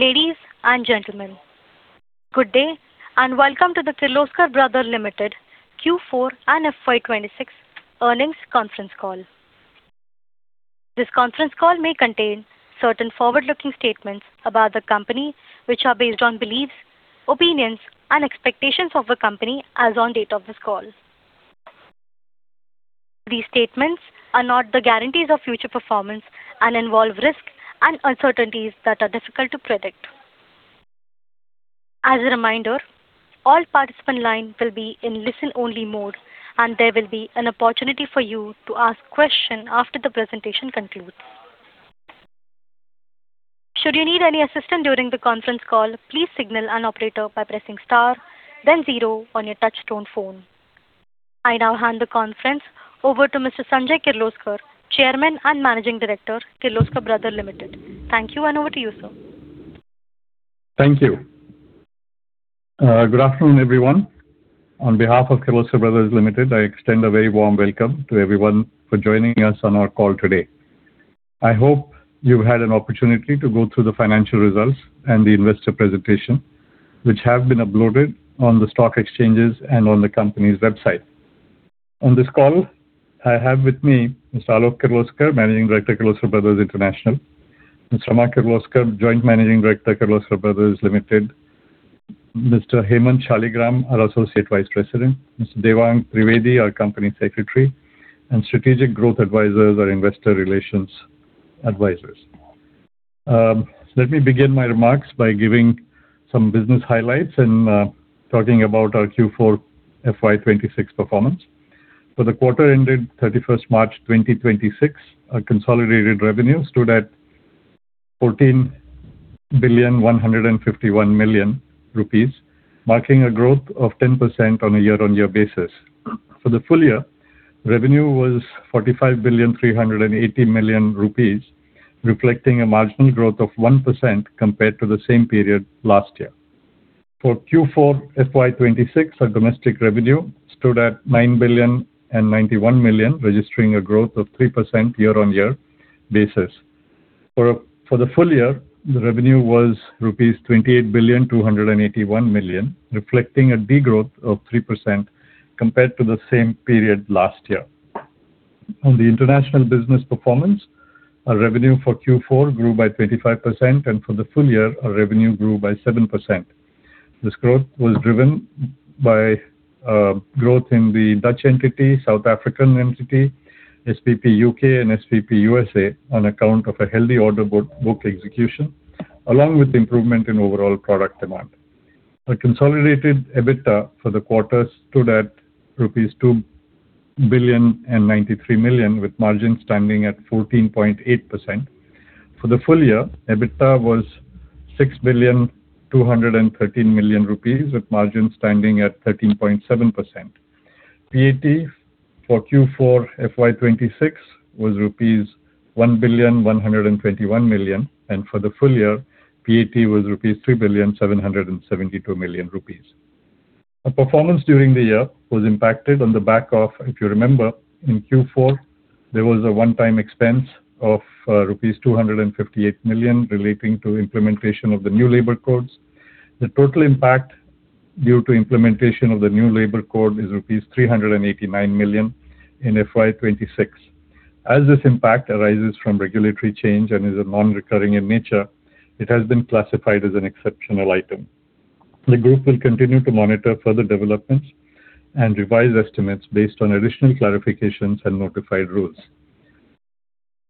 Ladies and gentlemen, good day and welcome to the Kirloskar Brothers Limited Q4 and FY 2026 earnings conference call. This conference call may contain certain forward-looking statements about the company which are based on beliefs, opinions and expectations of the company as on date of this call. These statements are not the guarantees of future performance and involve risks and uncertainties that are difficult to predict. As a reminder, all participant line will be in listen-only mode, and there will be an opportunity for you to ask question after the presentation concludes. Should you need any assistance during the conference call, please signal an operator by pressing star 0 on your touch-tone phone. I now hand the conference over to Mr. Sanjay Kirloskar, Chairman and Managing Director, Kirloskar Brothers Limited. Thank you, and over to you, sir. Thank you. Good afternoon, everyone. On behalf of Kirloskar Brothers Limited, I extend a very warm welcome to everyone for joining us on our call today. I hope you've had an opportunity to go through the financial results and the investor presentation, which have been uploaded on the stock exchanges and on the company's website. On this call I have with me Mr. Alok Kirloskar, Managing Director, Kirloskar Brothers International. Mr. Rama Kirloskar, Joint Managing Director, Kirloskar Brothers Limited. Mr. Hemant Shaligram, our Associate Vice President. Mr. Devang Trivedi, our Company Secretary, and Strategic Growth Advisors, our investor relations advisors. Let me begin my remarks by giving some business highlights and talking about our Q4 FY 2026 performance. For the quarter ended 31st March 2026, our consolidated revenue stood at 14,151 million rupees, marking a growth of 10% on a year-on-year basis. For the full-year, revenue was 45,380 million rupees, reflecting a marginal growth of 1% compared to the same period last year. For Q4 FY 2026, our domestic revenue stood at 9,091 million, registering a growth of 3% year-on-year basis. For the full-year, the revenue was rupees 28,281 million, reflecting a degrowth of 3% compared to the same period last year. On the international business performance, our revenue for Q4 grew by 25%, and for the full-year, our revenue grew by 7%. This growth was driven by growth in the Dutch entity, South African entity, SPP UK and SPP USA on account of a healthy order book execution, along with improvement in overall product demand. Our consolidated EBITDA for the quarter stood at rupees 2.93 billion, with margins standing at 14.8%. For the full-year, EBITDA was 6.213 billion, with margins standing at 13.7%. PAT for Q4 FY 2026 was rupees 1.21 billion, and for the full-year, PAT was 3.772 million rupees. Our performance during the year was impacted on the back half if you remember, in Q4, there was a one-time expense of rupees 258 million relating to implementation of the new labor codes. The total impact due to implementation of the new labor code is rupees 389 million in FY 2026. This impact arises from regulatory change and is non-recurring in nature, it has been classified as an exceptional item. The group will continue to monitor further developments and revise estimates based on additional clarifications and notified rules.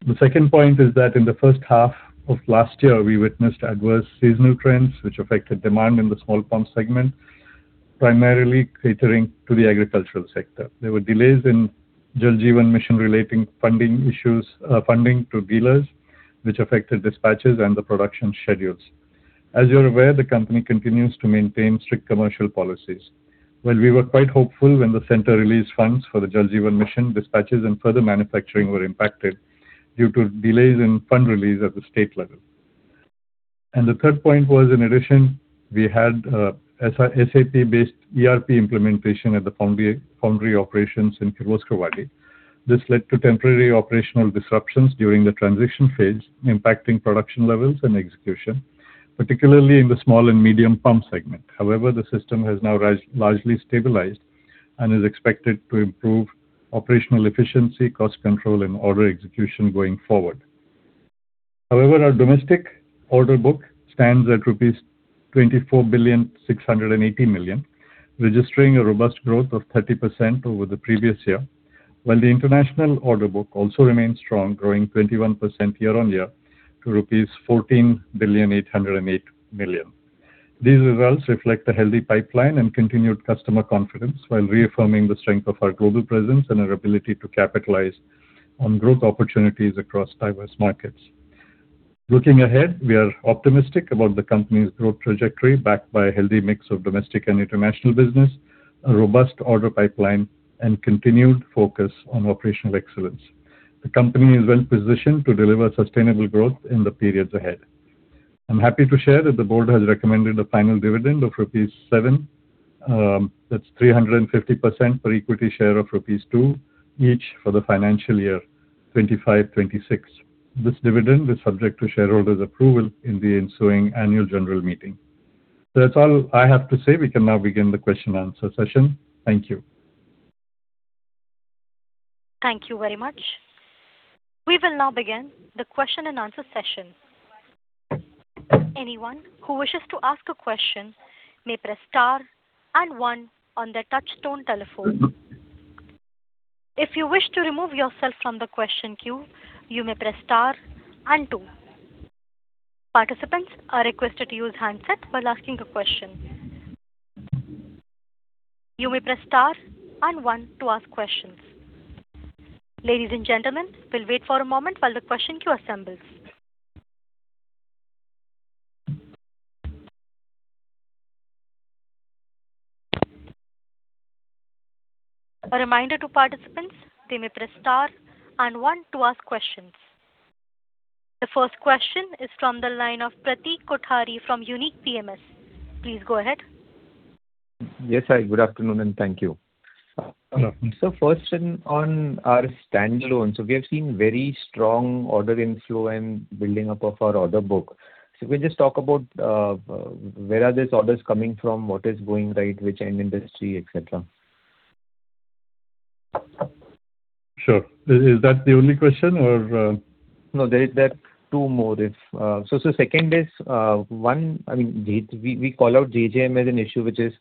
The second point is that in the first half of last year, we witnessed adverse seasonal trends which affected demand in the small pump segment, primarily catering to the agricultural sector. There were delays in Jal Jeevan Mission relating funding issues, funding to dealers, which affected dispatches and the production schedules. You're aware, the company continues to maintain strict commercial policies. While we were quite hopeful when the center released funds for the Jal Jeevan Mission, dispatches and further manufacturing were impacted due to delays in fund release at the state level. The third point was in addition, we had SAP-based ERP implementation at the foundry operations in Kirloskarwadi. This led to temporary operational disruptions during the transition phase, impacting production levels and execution, particularly in the small and medium pump segment. However, the system has now largely stabilized and is expected to improve operational efficiency, cost control and order execution going forward. However, our domestic order book stands at rupees 24.68 billion, registering a robust growth of 30% over the previous year. While the international order book also remains strong, growing 21% year-on-year to rupees 14.808 billion. These results reflect a healthy pipeline and continued customer confidence while reaffirming the strength of our global presence and our ability to capitalize on growth opportunities across diverse markets. Looking ahead, we are optimistic about the company's growth trajectory backed by a healthy mix of domestic and international business, a robust order pipeline and continued focus on operational excellence. The company is well positioned to deliver sustainable growth in the periods ahead. I'm happy to share that the board has recommended a final dividend of rupees 7, that's 350% per equity share of rupees 2 each for the financial year 2025, 2026. This dividend is subject to shareholders' approval in the ensuing annual general meeting. That's all I have to say. We can now begin the question and answer session. Thank you. Thank you very much. We will now begin the question-and-answer session. Anyone who wishes to ask a question may press star and one on their touchtone telephone. If you wish to remove yourself from the question queue, you may press star and two. Participants are requested to use handsets while asking a question. You may press star and one to ask questions. Ladies and gentlemen, we'll wait for a moment while the question queue assembles. A reminder to participants, they may press star and one to ask questions. The first question is from the line of Pratik Kothari from Unique PMS. Please go ahead. Yes. Hi, good afternoon, and thank you. Good afternoon. First in on our standalone. We have seen very strong order inflow and building up of our order book. Can we just talk about where are these orders coming from, what is going right, which end industry, et cetera? Sure. Is that the only question or? No, there are two more if. Second is, I mean, we call out JJM as an issue which is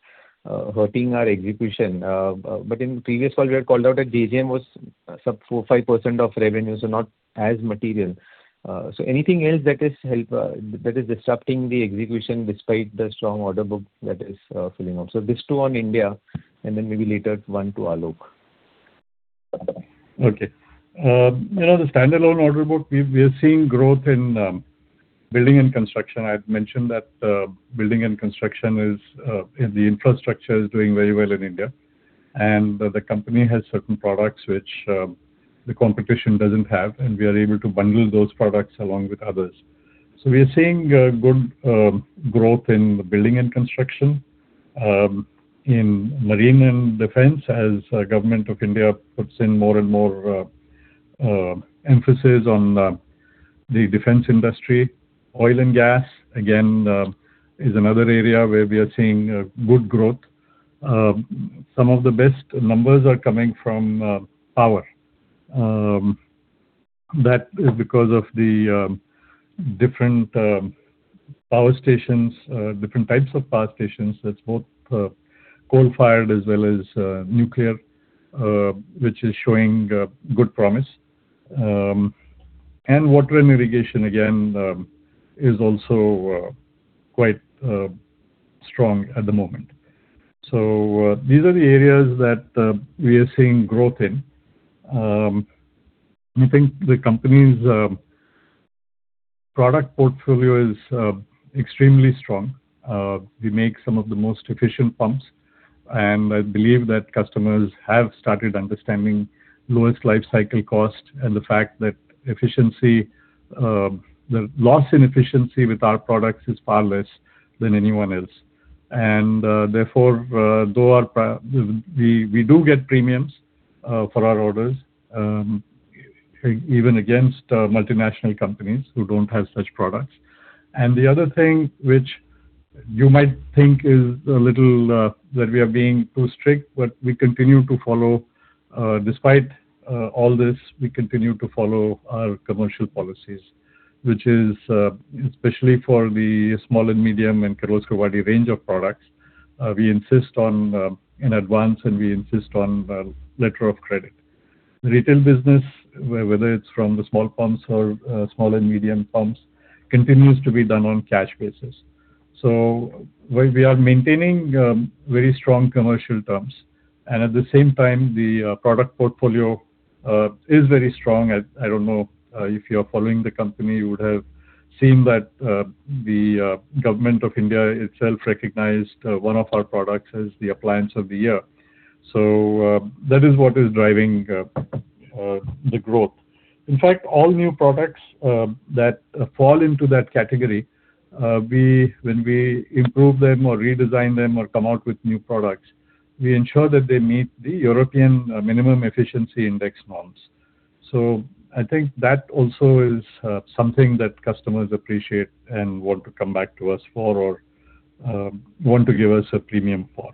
hurting our execution. In previous call, we had called out that JJM was sub 4, 5% of revenue, so not as material. Anything else that is disrupting the execution despite the strong order book that is filling up. These two on India, and then maybe later one to Alok. Okay. you know, the standalone order book, we are seeing growth in building and construction. I've mentioned that building and construction is the infrastructure is doing very well in India. The company has certain products which the competition doesn't have, and we are able to bundle those products along with others. We are seeing good growth in the building and construction. In marine and defense, as Government of India puts in more and more emphasis on the defense industry. Oil and gas, again, is another area where we are seeing good growth. Some of the best numbers are coming from power. That is because of the different power stations, different types of power stations. That's both, coal-fired as well as nuclear, which is showing good promise. Water and irrigation, again, is also quite strong at the moment. These are the areas that we are seeing growth in. I think the company's product portfolio is extremely strong. We make some of the most efficient pumps, and I believe that customers have started understanding Lowest Life-cycle Cost and the fact that efficiency, the loss in efficiency with our products is far less than anyone else. Therefore, though we do get premiums for our orders, even against multinational companies who don't have such products. The other thing which you might think is a little that we are being too strict, but we continue to follow despite all this, we continue to follow our commercial policies. Which is, especially for the small and medium and range of products, we insist on in advance, and we insist on a letter of credit. The retail business, whether it's from the small pumps or small and medium pumps, continues to be done on cash basis. While we are maintaining very strong commercial terms and at the same time the product portfolio is very strong. I don't know, if you are following the company, you would have seen that the Government of India itself recognized one of our products as the Appliance of the Year. That is what is driving the growth. In fact, all new products that fall into that category, when we improve them or redesign them or come out with new products, we ensure that they meet the European minimum efficiency index norms. I think that also is something that customers appreciate and want to come back to us for or want to give us a premium for.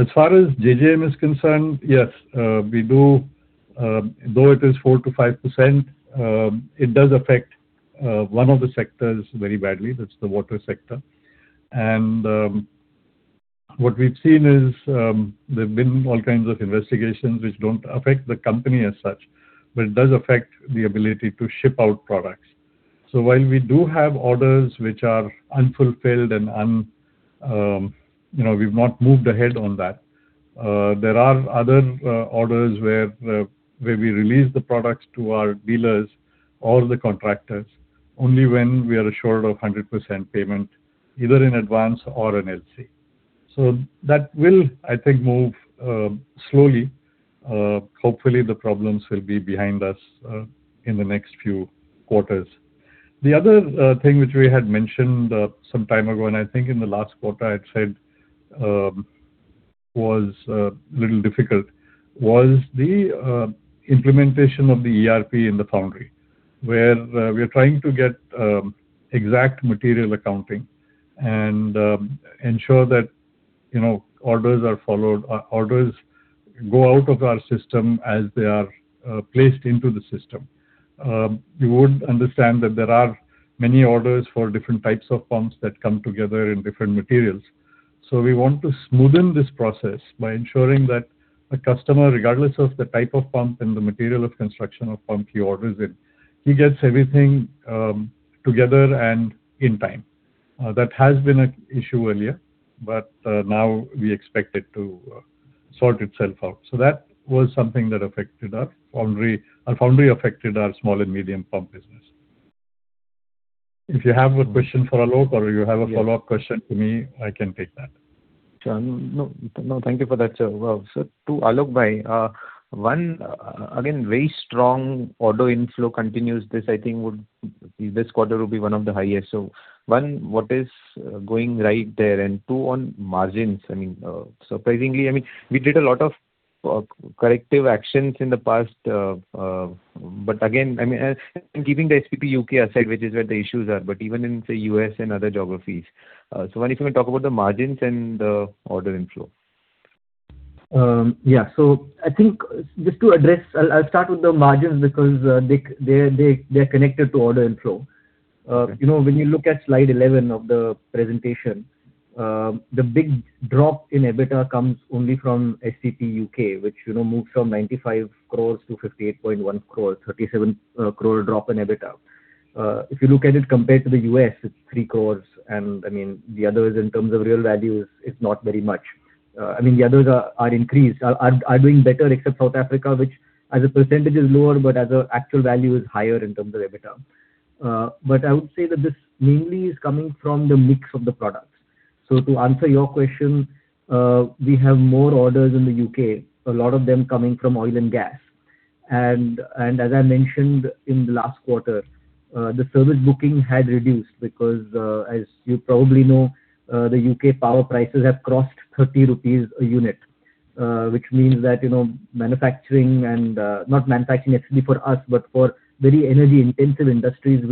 As far as JJM is concerned, yes, we do, though it is 4%-5%, it does affect one of the sectors very badly. That's the water sector. What we've seen is there've been all kinds of investigations which don't affect the company as such, but it does affect the ability to ship out products. While we do have orders which are unfulfilled and, you know, we've not moved ahead on that. There are other orders where we release the products to our dealers or the contractors only when we are assured of 100% payment, either in advance or an LC. That will, I think, move slowly. Hopefully, the problems will be behind us in the next few quarters. The other thing which we had mentioned some time ago, and I think in the last quarter I'd said, was little difficult, was the implementation of the ERP in the foundry, where we are trying to get exact material accounting and ensure that, you know, orders are followed. Orders go out of our system as they are placed into the system. You would understand that there are many orders for different types of pumps that come together in different materials. We want to smoothen this process by ensuring that a customer, regardless of the type of pump and the material of construction of pump he orders in, he gets everything together and in time. That has been an issue earlier, but now we expect it to sort itself out. That was something that affected our foundry. Our foundry affected our small and medium pump business. If you have a question for Alok or you have a follow-up question for me, I can take that. Sure. No, no, thank you for that, sir. Well, sir, to Alok, one, again, very strong order inflow continues. This quarter will be one of the highest. One, what is going right there? Two, on margins, I mean, surprisingly, I mean, we did a lot of corrective actions in the past, but again, I mean, and keeping the SPP Pumps aside, which is where the issues are, but even in, say, U.S. and other geographies, I wonder if you can talk about the margins and the order inflow. Yeah. I think just to address I'll start with the margins because they're connected to order inflow. You know, when you look at slide 11 of the presentation, the big drop in EBITDA comes only from SPP Pumps, which, you know, moved from 95 crores to 58.1 crores, 37 crore drop in EBITDA. If you look at it compared to the U.S., it's 3 crores and, I mean, the others in terms of real value is not very much. I mean, the others are doing better except South Africa, which as a percentage is lower, but as a actual value is higher in terms of EBITDA. I would say that this mainly is coming from the mix of the products. To answer your question, we have more orders in the U.K., a lot of them coming from oil and gas. As I mentioned in the last quarter, the service booking had reduced because, as you probably know, the U.K. power prices have crossed 30 rupees a unit, which means that, you know, manufacturing and, not manufacturing actually for us, but for very energy-intensive industries,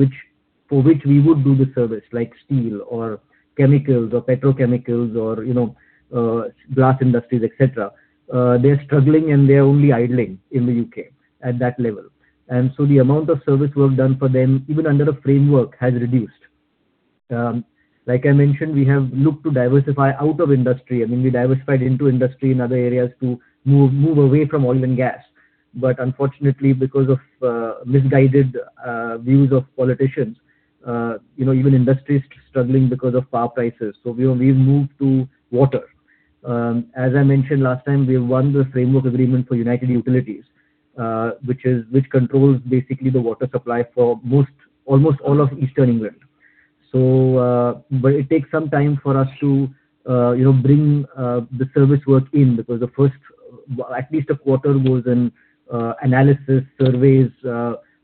for which we would do the service, like steel or chemicals or petrochemicals or, you know, glass industries, et cetera. They're struggling and they're only idling in the U.K. at that level. The amount of service we have done for them, even under a framework, has reduced. Like I mentioned, we have looked to diversify out of industry. I mean, we diversified into industry in other areas to move away from oil and gas. Unfortunately, because of misguided views of politicians, you know, even industry is struggling because of power prices. We've moved to water. As I mentioned last time, we have won the framework agreement for United Utilities, which controls basically the water supply for most, almost all of eastern England. It takes some time for us to, you know, bring the service work in, because the first, at least a quarter goes in analysis, surveys,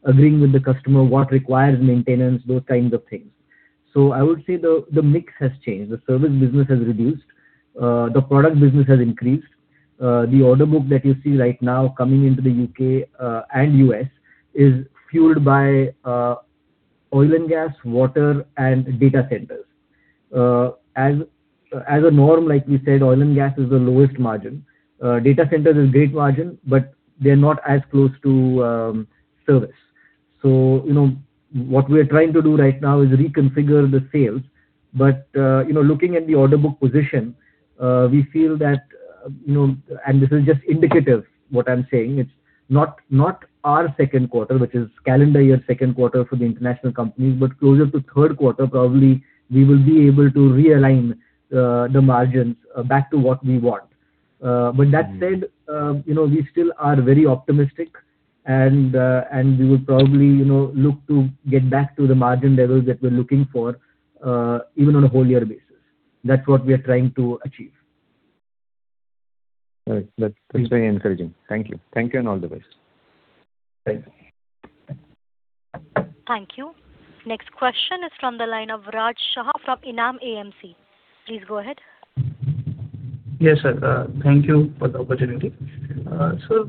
agreeing with the customer what requires maintenance, those kinds of things. I would say the mix has changed. The service business has reduced. The product business has increased. The order book that you see right now coming into the U.K. and U.S. is fueled by oil and gas, water, and data centers. As, as a norm, like we said, oil and gas is the lowest margin. Data centers is great margin, but they're not as close to service. You know, what we're trying to do right now is reconfigure the sales. You know, looking at the order book position, we feel that, you know, and this is just indicative, what I'm saying. It's not our second quarter, which is calendar year second quarter for the international companies, but closer to third quarter, probably we will be able to realign the margins back to what we want. With that said, you know, we still are very optimistic and we will probably, you know, look to get back to the margin levels that we're looking for, even on a whole year basis. That's what we are trying to achieve. All right. That's very encouraging. Thank you. Thank you and all the best. Thank you. Thank you. Next question is from the line of Raj Shah from Enam AMC. Please go ahead. Yes, sir. Thank you for the opportunity.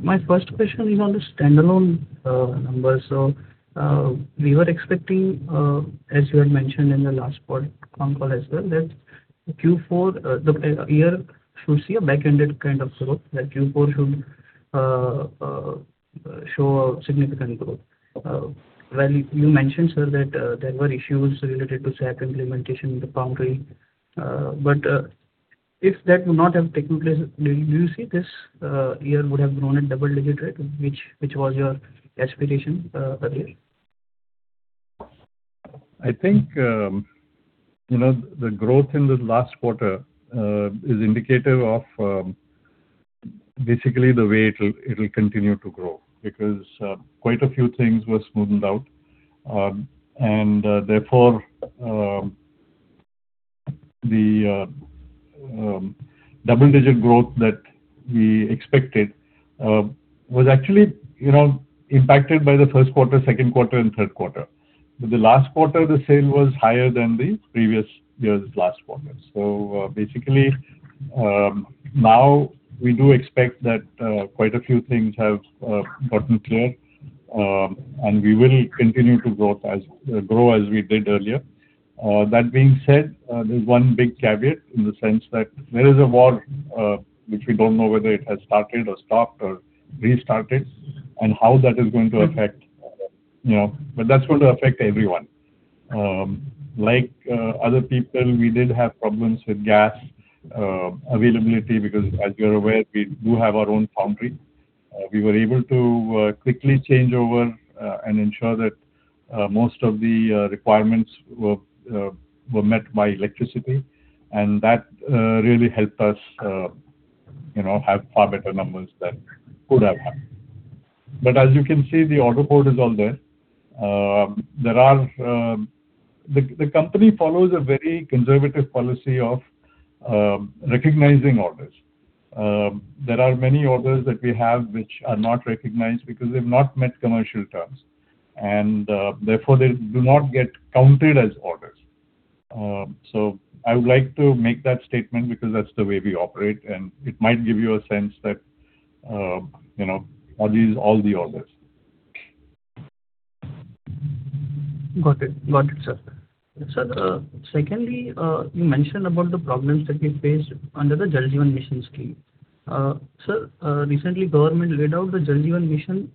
My first question is on the standalone numbers. We were expecting, as you had mentioned in the last conference ended, that Q4, the year should see a back-ended kind of growth, that Q4 should show a significant growth. Well, you mentioned, sir, that there were issues related to SAP implementation in the foundry. If that would not have taken place, do you see this year would have grown at double-digit rate, which was your aspiration earlier? I think, you know, the growth in the last quarter is indicative of basically the way it'll continue to grow, because quite a few things were smoothened out. Therefore, the double-digit growth that we expected was actually, you know, impacted by the first quarter, second quarter and third quarter. The last quarter, the sale was higher than the previous year's last quarter. Basically, now we do expect that quite a few things have gotten clear. We will continue to grow as we did earlier. That being said, there's one big caveat in the sense that there is a war, which we don't know whether it has started or stopped or restarted, and how that is going to affect, you know. That's going to affect everyone. Like other people, we did have problems with gas availability, because as you're aware, we do have our own foundry. We were able to quickly change over and ensure that most of the requirements were met by electricity. That really helped us, you know, have far better numbers than could have happened. As you can see, the order book is on there. The company follows a very conservative policy of recognizing orders. There are many orders that we have which are not recognized because they've not met commercial terms, and therefore, they do not get counted as orders. I would like to make that statement because that's the way we operate, and it might give you a sense that, you know, are these all the orders. Got it. Got it, sir. Sir, secondly, you mentioned about the problems that we faced under the Jal Jeevan Mission scheme. Sir, recently government laid out the Jal Jeevan Mission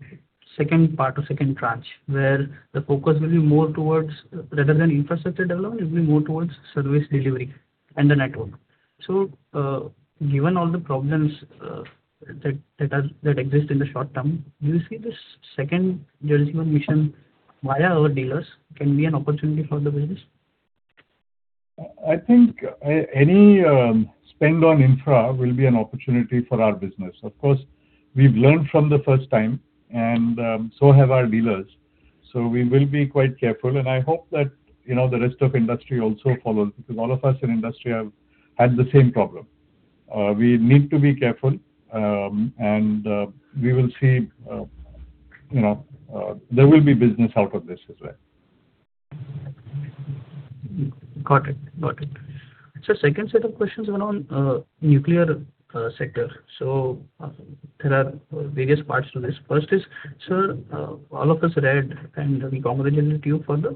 second part or second tranche, where the focus will be more towards, rather than infrastructure development, it'll be more towards service delivery and the network. Given all the problems, that exist in the short term, do you see this second Jal Jeevan Mission via our dealers can be an opportunity for the business? I think any spend on infra will be an opportunity for our business. Of course, we've learned from the first time and so have our dealers. We will be quite careful, and I hope that, you know, the rest of industry also follows because all of us in industry have had the same problem. We need to be careful, and we will see, you know, there will be business out of this as well. Got it. Got it. Sir, second set of questions around nuclear sector. There are various parts to this. First is, sir, all of us read and congratulated you for the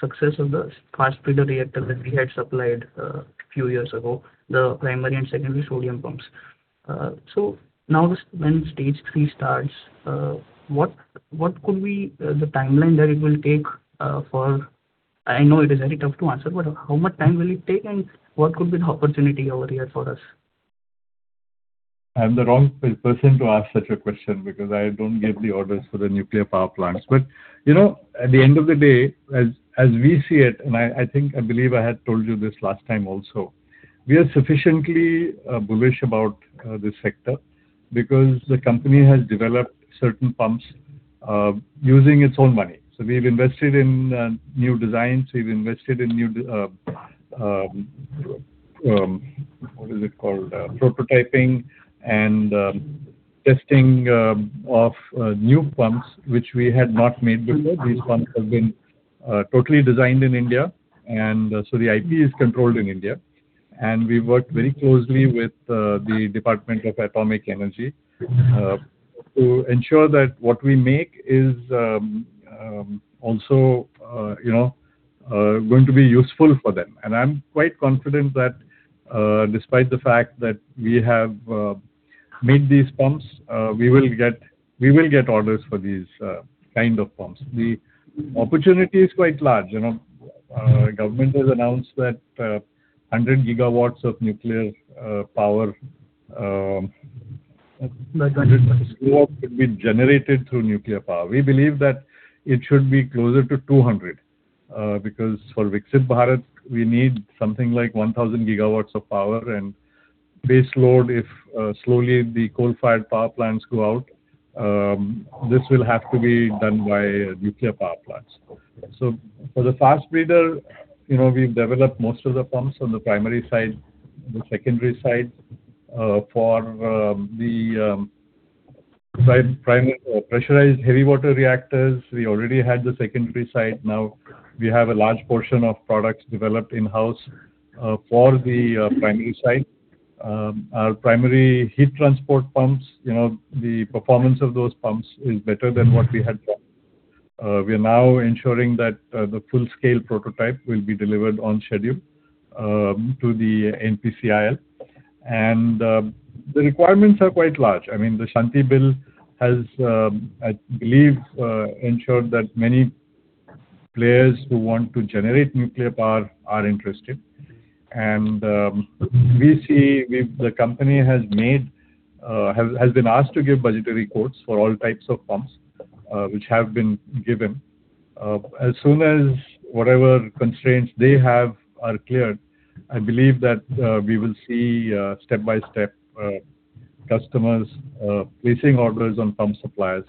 success of the fast breeder reactor that we had supplied few years ago, the primary and secondary sodium pumps. Now when stage three starts, what could be the timeline that it will take, for I know it is very tough to answer, but how much time will it take, and what could be the opportunity over here for us? I'm the wrong person to ask such a question because I don't give the orders for the nuclear power plants. You know, at the end of the day, as we see it, and I think, I believe I had told you this last time also, we are sufficiently bullish about this sector because the company has developed certain pumps using its own money. We've invested in new designs. We've invested in new, what is it called? prototyping and testing of new pumps which we had not made before. These pumps have been totally designed in India and so the IP is controlled in India. We worked very closely with the Department of Atomic Energy to ensure that what we make is also, you know, going to be useful for them. I'm quite confident that despite the fact that we have made these pumps, we will get orders for these kind of pumps. The opportunity is quite large. You know, government has announced that 100 GW of nuclear power. Like 100 W. could be generated through nuclear power. We believe that it should be closer to 200, because for Viksit Bharat we need something like 1,000 GW of power. Base load, if slowly the coal-fired power plants go out, this will have to be done by nuclear power plants. For the fast breeder, you know, we've developed most of the pumps on the primary side, the secondary side. For the primary pressurized heavy water reactors, we already had the secondary side. We have a large portion of products developed in-house for the primary side. Our primary heat transport pumps, you know, the performance of those pumps is better than what we had bought. We are now ensuring that the full scale prototype will be delivered on schedule to the NPCIL. The requirements are quite large. I mean, the Shanti Bill has, I believe, ensured that many players who want to generate nuclear power are interested. We see the company has been asked to give budgetary quotes for all types of pumps, which have been given. As soon as whatever constraints they have are cleared, I believe that, we will see, step-by-step, customers placing orders on pump suppliers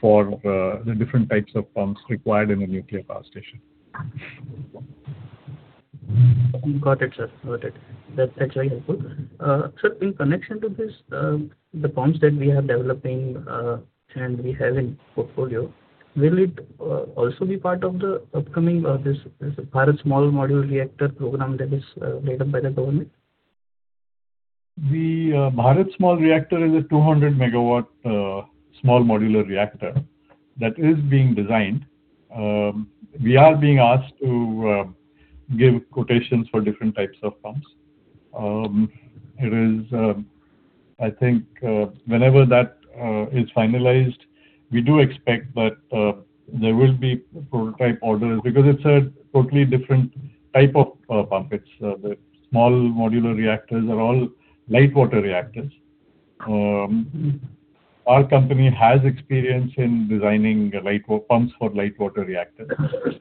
for the different types of pumps required in a nuclear power station. Got it, sir. Noted. That's very helpful. Sir, in connection to this, the pumps that we are developing and we have in portfolio, will it also be part of the upcoming Bharat Small Modular Reactor program that is made up by the government? The Bharat Small Reactor is a 200 MW small modular reactor that is being designed. We are being asked to give quotations for different types of pumps. It is I think whenever that is finalized, we do expect that there will be prototype orders because it's a totally different type of pump. It's the small modular reactors are all light water reactors. Our company has experience in designing light water pumps for light water reactors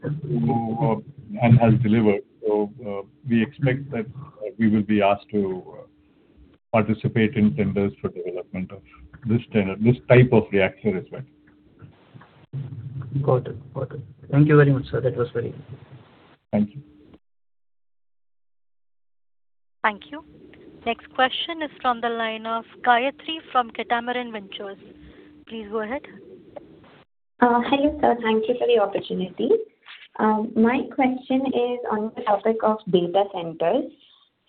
and has delivered. We expect that we will be asked to participate in tenders for development of this type of reactor as well. Got it. Thank you very much, sir. That was very helpful. Thank you. Thank you. Next question is from the line of Gayathri from Catamaran Ventures. Please go ahead. Hello, sir. Thank you for the opportunity. My question is on the topic of data centers.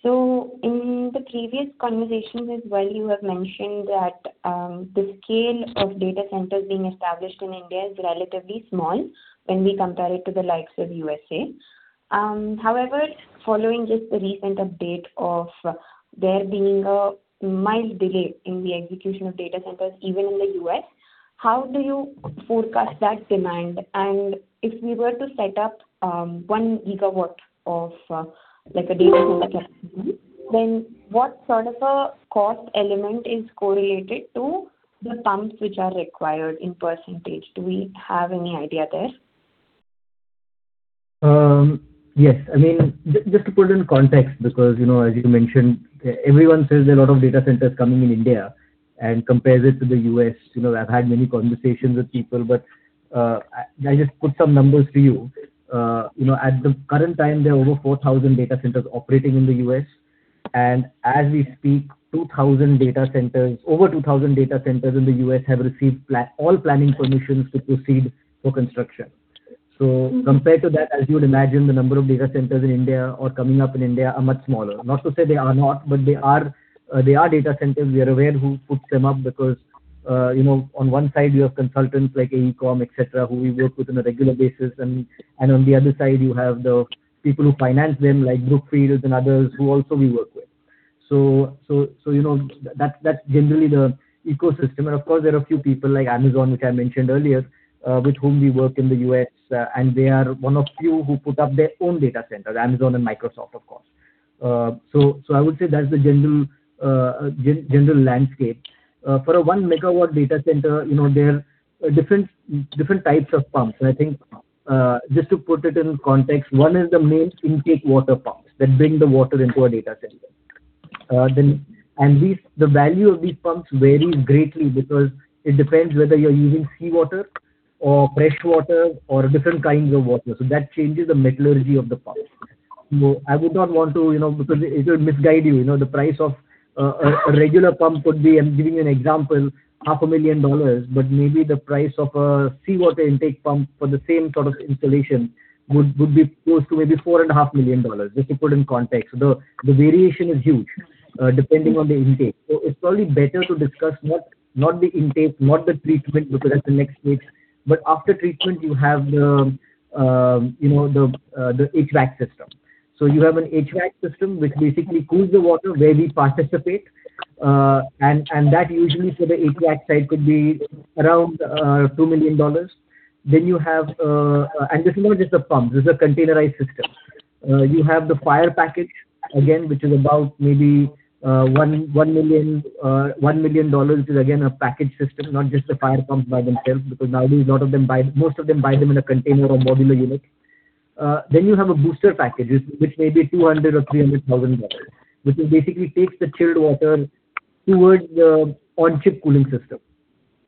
In the previous conversations as well, you have mentioned that the scale of data centers being established in India is relatively small when we compare it to the likes of USA. However, following just the recent update of there being a mild delay in the execution of data centers even in the U.S., how do you forecast that demand? If we were to set up 1 GW of like a data center capacity, then what sort of a cost element is correlated to the pumps which are required in percentage? Do we have any idea there? Yes. I mean, just to put it in context, because, you know, as you mentioned, everyone says there are a lot of data centers coming in India and compares it to the U.S. You know, I've had many conversations with people, but I just put some numbers for you. You know, at the current time, there are over 4,000 data centers operating in the U.S. As we speak, over 2,000 data centers in the U.S. have received all planning permissions to proceed for construction. Compared to that, as you would imagine, the number of data centers in India or coming up in India are much smaller. Not to say they are not, but they are, they are data centers. We are aware who puts them up because, you know, on one side you have consultants like AECOM, et cetera, who we work with on a regular basis, and on the other side, you have the people who finance them, like Brookfield and others, who also we work with. You know, that's generally the ecosystem. Of course, there are a few people like Amazon, which I mentioned earlier, with whom we work in the U.S., and they are one of few who put up their own data centers, Amazon and Microsoft, of course. I would say that's the general landscape. For a 1 MW data center, you know, there are different types of pumps. I think, just to put it in context, one is the main intake water pumps that bring the water into a data center. These, the value of these pumps varies greatly because it depends whether you're using seawater or fresh water or different kinds of water. That changes the metallurgy of the pump. I would not want to, you know, because it would misguide you. You know, the price of a regular pump could be, I'm giving you an example, $500,000, but maybe the price of a seawater intake pump for the same sort of installation would be close to maybe $4.5 million, just to put in context. The variation is huge, depending on the intake. It's probably better to discuss not the intake, not the treatment, because that's the next stage. After treatment, you have the, you know, the HVAC system. You have an HVAC system which basically cools the water where we participate, and that usually for the HVAC side could be around $2 million. You have, this is not just the pumps, this is a containerized system. You have the fire package again, which is about maybe $1 million, which is again, a package system, not just the fire pumps by themselves, because nowadays most of them buy them in a container or modular unit. You have a booster package, which may be $200,000 or $300,000, which basically takes the chilled water towards the on-chip cooling system.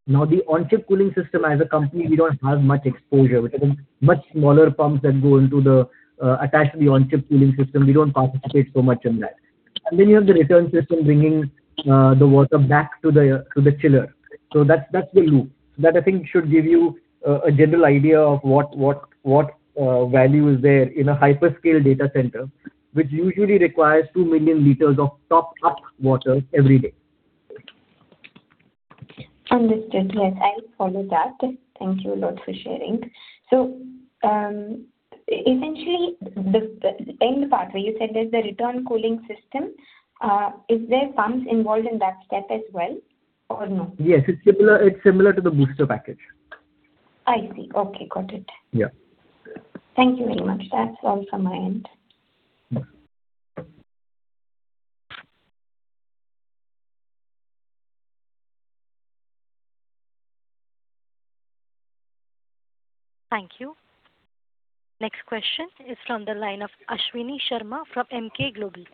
The on-chip cooling system, as a company, we don't have much exposure. Which are the much smaller pumps that go into the attached to the on-chip cooling system. We don't participate so much in that. You have the return system bringing the water back to the chiller. That's the loop. That I think should give you a general idea of what value is there in a hyperscale data center, which usually requires 2 million l of topped up water every day. Understood. Yes, I'll follow that. Thank you a lot for sharing. Essentially the end part where you said there's the return cooling system, is there pumps involved in that step as well or no? Yes. It's similar to the booster package. I see. Okay. Got it. Yeah. Thank you very much. That's all from my end. Yeah. Thank you. Next question is from the line of Ashwani Sharma from Emkay Global.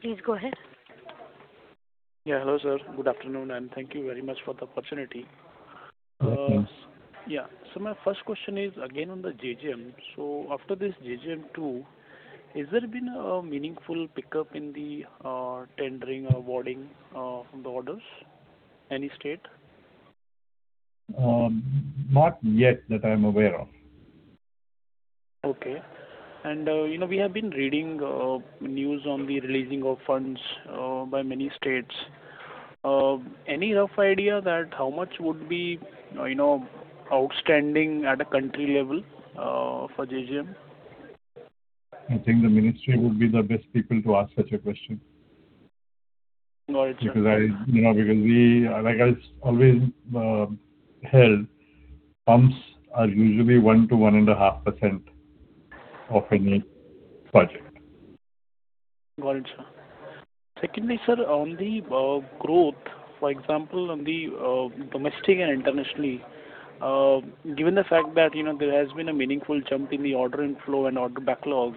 Please go ahead. Yeah. Hello, sir. Good afternoon, and thank you very much for the opportunity. Thank you. Yeah. My first question is again on the JJM. After this JJM 2, has there been a meaningful pickup in the tendering or awarding the orders? Any state? Not yet that I'm aware of. Okay. You know, we have been reading, news on the releasing of funds, by many states. Any rough idea that how much would be, you know, outstanding at a country level, for JJM? I think the ministry would be the best people to ask such a question. Got it, sir. You know, like I always held, pumps are usually 1%-1.5% of any project. Got it, sir. Secondly, sir, on the growth, for example, on the domestic and internationally, given the fact that, you know, there has been a meaningful jump in the order inflow and order backlog,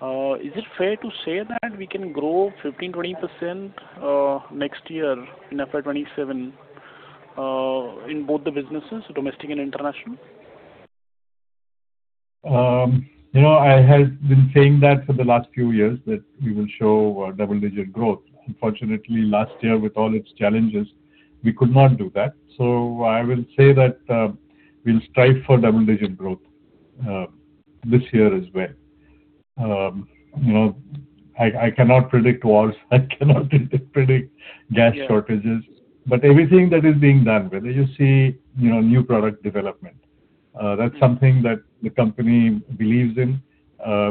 is it fair to say that we can grow 15%-20% next year in FY 2027 in both the businesses, domestic and international? you know, I have been saying that for the last few years that we will show a double-digit growth. Unfortunately, last year, with all its challenges, we could not do that. I will say that we'll strive for double-digit growth this year as well. you know, I cannot predict wars, I cannot predict gas shortages. Yeah. Everything that is being done, whether you see, you know, new product development, that's something that the company believes in.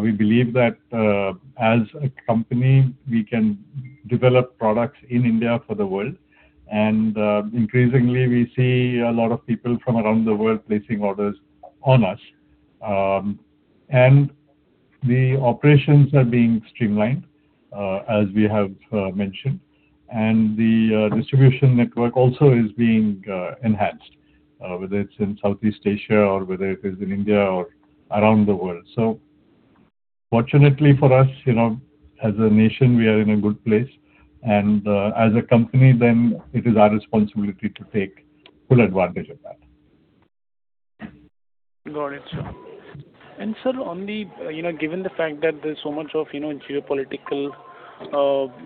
We believe that, as a company, we can develop products in India for the world. Increasingly, we see a lot of people from around the world placing orders on us. The operations are being streamlined, as we have mentioned. The distribution network also is being enhanced, whether it's in Southeast Asia or whether it is in India or around the world. Fortunately for us, you know, as a nation, we are in a good place. As a company, then it is our responsibility to take full advantage of that. Got it, sir. sir, on the you know, given the fact that there's so much of, you know, geopolitical,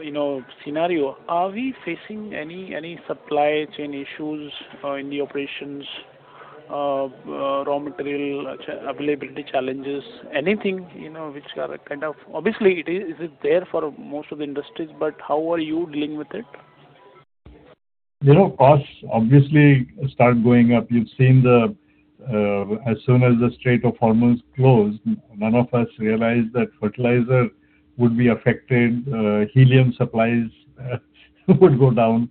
you know, scenario, are we facing any supply chain issues in the operations of raw material availability challenges? Anything, you know, which are kind of Obviously, it is there for most of the industries, how are you dealing with it? You know, costs obviously start going up. You've seen. As soon as the Strait of Hormuz closed, none of us realized that fertilizer would be affected, helium supplies would go down,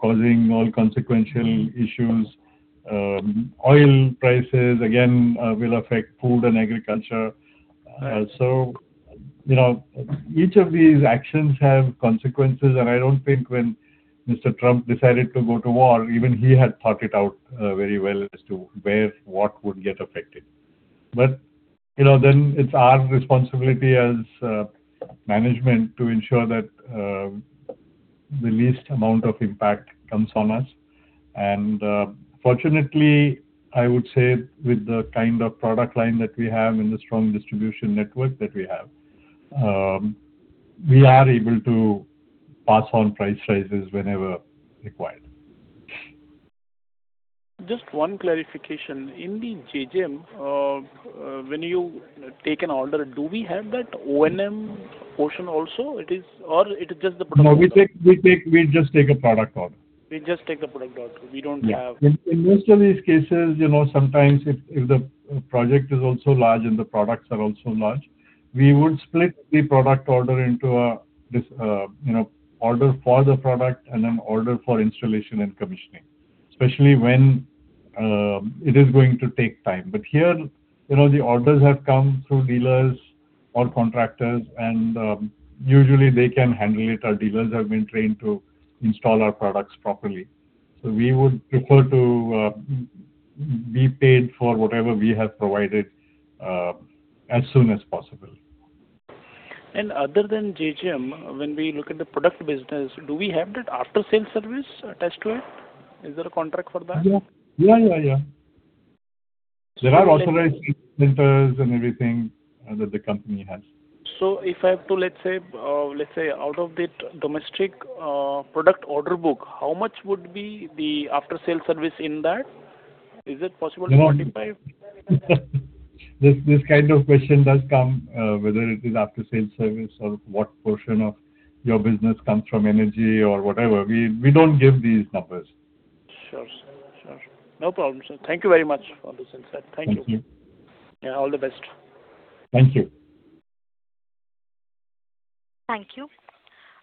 causing all consequential issues. Oil prices, again, will affect food and agriculture. Right. You know, each of these actions have consequences. I don't think when Mr. Trump decided to go to war, even he had thought it out very well as to where what would get affected. You know, it's our responsibility as management to ensure that the least amount of impact comes on us. Fortunately, I would say with the kind of product line that we have and the strong distribution network that we have, we are able to pass on price rises whenever required. Just one clarification. In the JJM, when you take an order, do we have that O&M portion also? It is just the product order? No, we just take a product order. We just take the product order. In most of these cases, you know, sometimes if the project is also large and the products are also large, we would split the product order into a, this, you know, order for the product and an order for installation and commissioning, especially when it is going to take time. Here, you know, the orders have come through dealers or contractors, and usually they can handle it. Our dealers have been trained to install our products properly. We would prefer to be paid for whatever we have provided as soon as possible. Other than JJM, when we look at the product business, do we have that after-sales service attached to it? Is there a contract for that? Yeah. Yeah, yeah. There are authorized dealers and everything that the company has. If I have to, let's say, out of that domestic product order book, how much would be the after-sales service in that? Is it possible to quantify? This kind of question does come, whether it is after-sales service or what portion of your business comes from energy or whatever. We don't give these numbers. Sure, sir. Sure. No problem, sir. Thank you very much for this insight. Thank you. Thank you. Yeah, all the best. Thank you. Thank you.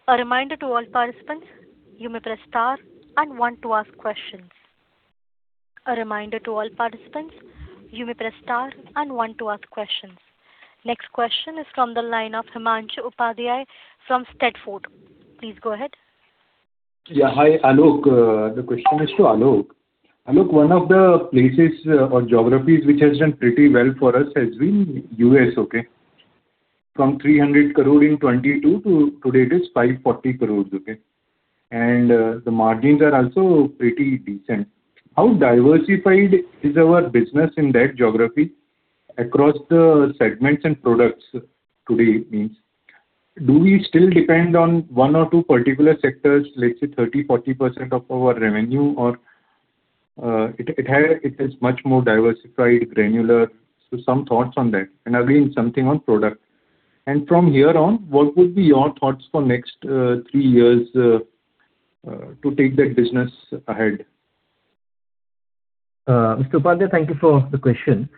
A reminder to all participants, you may press star and one to ask questions. Next question is from the line of Himanshu Upadhyay from Steadfort. Please go ahead. Yeah. Hi, Alok. The question is to Alok. Alok, one of the places or geographies which has done pretty well for us has been U.S., okay? From 300 crore in 2022 to today it is 540 crore, okay? The margins are also pretty decent. How diversified is our business in that geography across the segments and products today it means? Do we still depend on one or two particular sectors, let's say 30%-40% of our revenue or it is much more diversified, granular? Some thoughts on that. Again, something on product. From here on, what would be your thoughts for next three years to take that business ahead? Mr. Upadhyay, thank you for the question.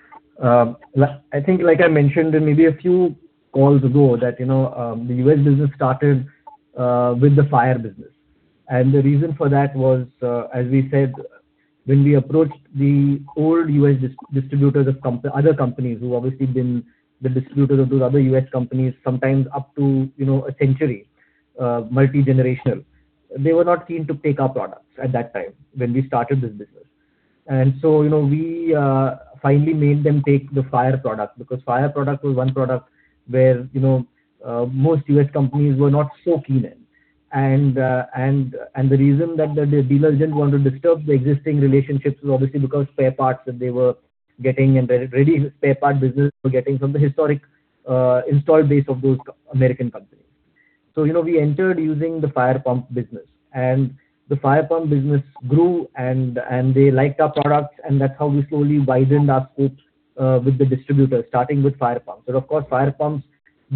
I think like I mentioned in maybe a few calls ago that, you know, the U.S. business started with the fire business. The reason for that was, as we said, when we approached the old U.S. distributors of other companies who obviously been the distributors of those other U.S. companies sometimes up to, you know, a century, multi-generational. They were not keen to take our products at that time when we started this business. You know, we finally made them take the fire product because fire product was one product where, you know, most U.S. companies were not so keen in. The reason that the dealers didn't want to disturb the existing relationships was obviously because spare parts that they were getting and the ready spare part business were getting from the historic installed base of those American companies. You know, we entered using the fire pump business, and the fire pump business grew and they liked our products, and that's how we slowly widened our scope with the distributors, starting with fire pumps. Of course, fire pumps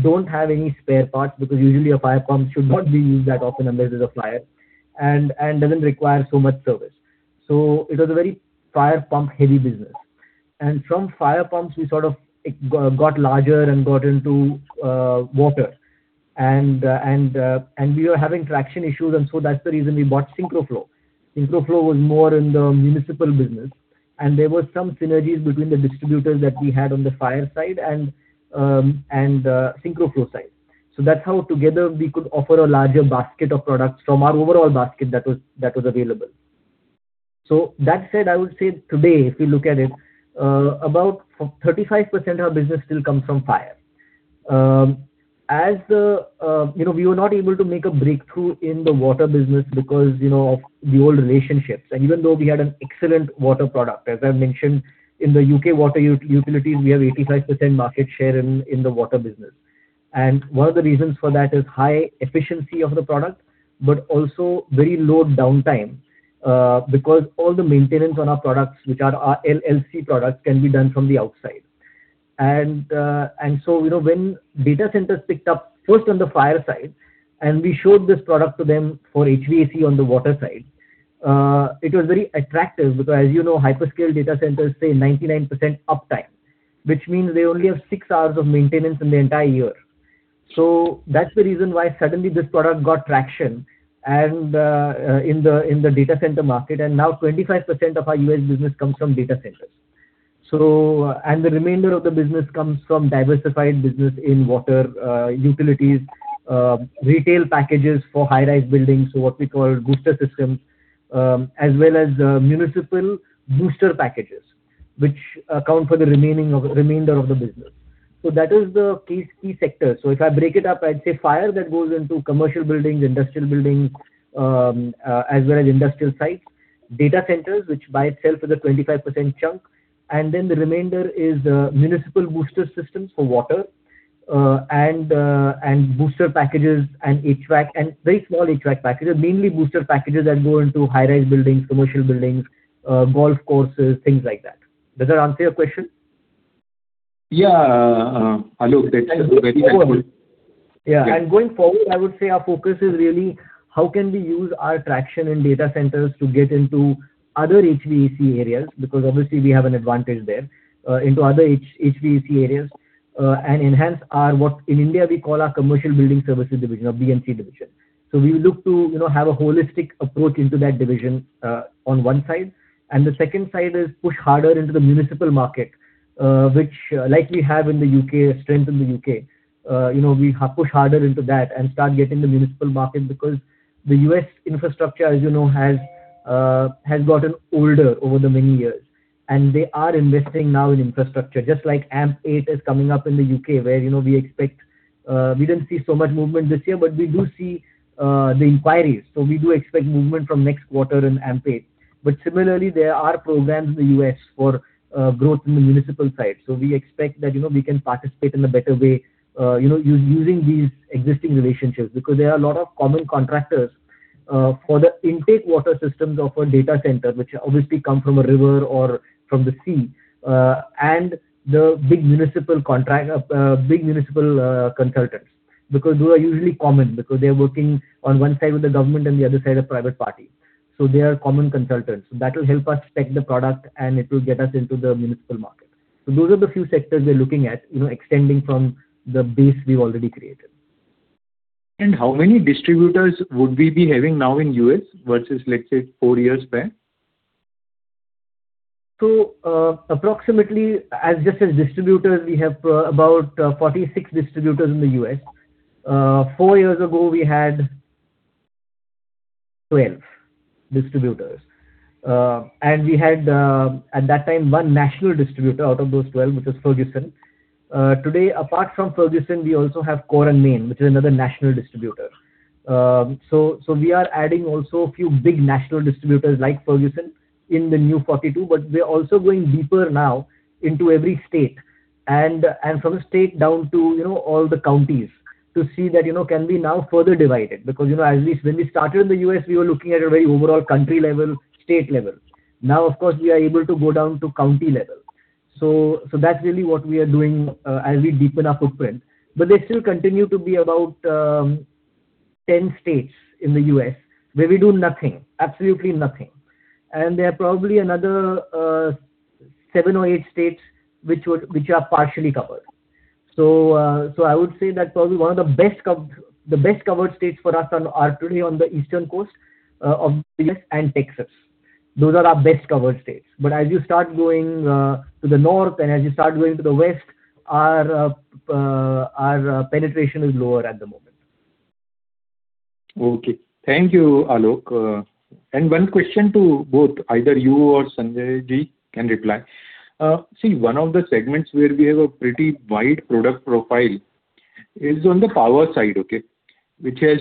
don't have any spare parts because usually a fire pump should not be used that often unless there's a fire and doesn't require so much service. It was a very fire pump heavy business. From fire pumps we sort of got larger and got into water and we were having traction issues, that's the reason we bought SyncroFlo. SyncroFlo was more in the municipal business, there were some synergies between the distributors that we had on the fire side and SyncroFlo side. That's how together we could offer a larger basket of products from our overall basket that was available. That said, I would say today, if we look at it, about 35% of our business still comes from fire. As the you know, we were not able to make a breakthrough in the water business because, you know, of the old relationships. Even though we had an excellent water product, as I've mentioned, in the U.K. water utilities, we have 85% market share in the water business. One of the reasons for that is high efficiency of the product, but also very low downtime, because all the maintenance on our products, which are our LLC products, can be done from the outside. You know, when data centers picked up first on the fire side and we showed this product to them for HVAC on the water side, it was very attractive because as you know, hyperscale data centers stay 99% uptime, which means they only have six hours of maintenance in the entire year. That's the reason why suddenly this product got traction and in the data center market, and now 25% of our U.S. business comes from data centers. The remainder of the business comes from diversified business in water, utilities, retail packages for high-rise buildings, so what we call booster systems, as well as municipal booster packages, which account for the remainder of the business. That is the key sectors. If I break it up, I'd say fire that goes into commercial buildings, industrial buildings, as well as industrial sites. Data centers, which by itself is a 25% chunk, the remainder is municipal booster systems for water, and booster packages and HVAC and very small HVAC packages, mainly booster packages that go into high-rise buildings, commercial buildings, golf courses, things like that. Does that answer your question? Yeah. Alok, that's very helpful. Yeah. Going forward, I would say our focus is really how can we use our traction in data centers to get into other HVAC areas, because obviously we have an advantage there, into other HVAC areas, and enhance our what in India we call our commercial building services division, our B&C division. We look to, you know, have a holistic approach into that division, on one side. The second side is push harder into the municipal market, which like we have in the U.K., a strength in the U.K. You know, we push harder into that and start getting the municipal market because the U.S. infrastructure, as you know, has gotten older over the many years, they are investing now in infrastructure, just like AMP8 is coming up in the U.K. where, you know, we expect We didn't see so much movement this year, we do see the inquiries, we do expect movement from next quarter in AMP8. Similarly, there are programs in the U.S. for growth in the municipal side. We expect that, you know, we can participate in a better way, you know, using these existing relationships because there are a lot of common contractors for the intake water systems of a data center, which obviously come from a river or from the sea, and the big municipal contract, big municipal consultants, because those are usually common because they're working on one side with the government and the other side a private party. They are common consultants. That will help us spec the product and it will get us into the municipal market. Those are the few sectors we're looking at, you know, extending from the base we've already created. How many distributors would we be having now in U.S. versus, let's say, four years back? Approximately as distributors, we have about 46 distributors in the U.S. Four years ago we had 12 distributors. We had at that time one national distributor out of those 12, which was Ferguson. Today apart from Ferguson, we also have Core & Main, which is another national distributor. We are adding also a few big national distributors like Ferguson in the new 42, but we are also going deeper now into every state and from the state down to, you know, all the counties to see that, you know, can we now further divide it. Because, you know, when we started in the U.S., we were looking at a very overall country level, state level. Now, of course, we are able to go down to county level. That's really what we are doing as we deepen our footprint. There still continue to be about 10 states in the U.S. where we do nothing, absolutely nothing. There are probably another seven or eight states which are partially covered. I would say that probably one of the best covered states for us are today on the eastern coast of U.S. and Texas. Those are our best covered states. As you start going to the north and as you start going to the west, our penetration is lower at the moment. Okay. Thank you, Alok. One question to both, either you or Sanjay can reply. See, one of the segments where we have a pretty wide product profile is on the power side, okay? Which is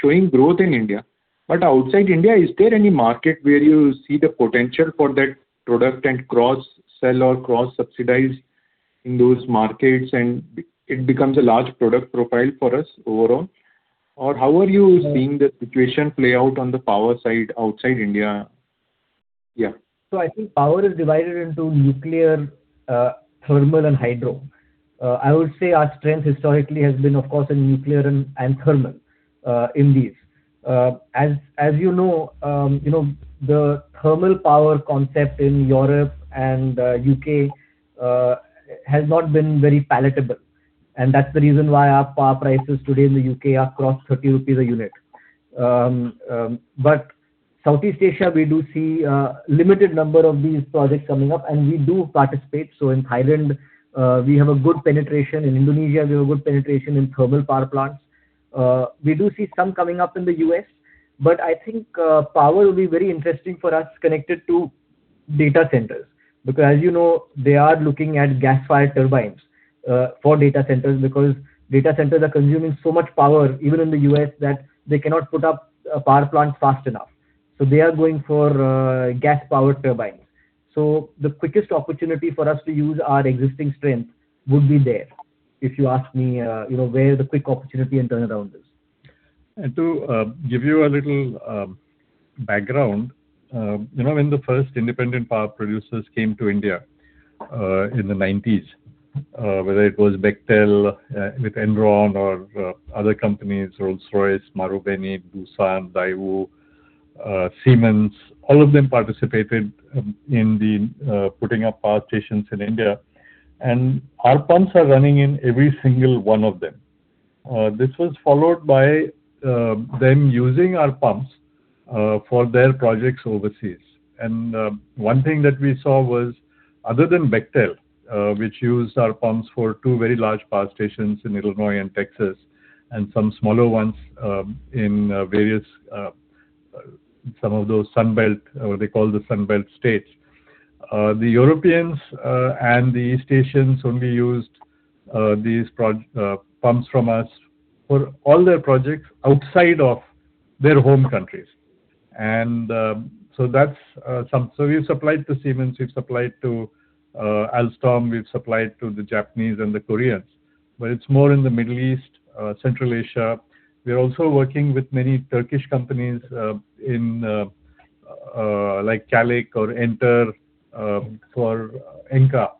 showing growth in India. Outside India, is there any market where you see the potential for that product and cross-sell or cross-subsidize in those markets and it becomes a large product profile for us overall? Or how are you seeing the situation play out on the power side outside India? Yeah. I think power is divided into nuclear, thermal and hydro. I would say our strength historically has been, of course, in nuclear and thermal in these. As you know, you know, the thermal power concept in Europe and U.K. has not been very palatable. That's the reason why our power prices today in the U.K. are across 30 rupees a unit. Southeast Asia, we do see a limited number of these projects coming up, and we do participate. In Thailand, we have a good penetration. In Indonesia, we have a good penetration in thermal power plants. We do see some coming up in the U.S., but I think power will be very interesting for us connected to data centers. As you know, they are looking at gas-fired turbines for data centers because data centers are consuming so much power even in the U.S. that they cannot put up a power plant fast enough. They are going for gas-powered turbines. The quickest opportunity for us to use our existing strength would be there, if you ask me, you know, where the quick opportunity and turnaround is. To give you a little background, you know, when the first independent power producers came to India in the 90s, whether it was Bechtel with Enron or other companies, Rolls-Royce, Marubeni, Doosan, Daewoo, Siemens, all of them participated in the putting up power stations in India. Our pumps are running in every single one of them. This was followed by them using our pumps for their projects overseas. One thing that we saw was other than Bechtel, which used our pumps for two very large power stations in Illinois and Texas and some smaller ones in various, some of those Sun Belt or they call the Sun Belt states. The Europeans and the East Asians only used these pumps from us for all their projects outside of their home countries. We have supplied to Siemens, we have supplied to Alstom, we have supplied to the Japanese and the Koreans, but it is more in the Middle East, Central Asia. We are also working with many Turkish companies in like Çalık Enerji for Enka